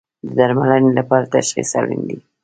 د درملنې لپاره تشخیص اړین دی